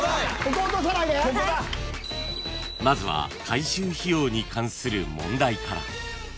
［まずは改修費用に関する問題から］